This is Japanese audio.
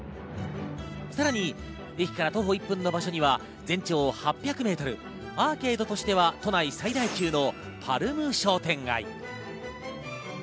さらに駅から徒歩１分の場所には全長８００ｍ、アーケードとしては都内最大級のパルム商店街。